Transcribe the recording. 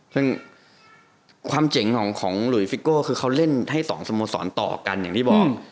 ซึ่งความเจ๋งของหลุยฟิโก้คือเขาเล่นให้๒สโมสรต่อกันอย่างที่บอก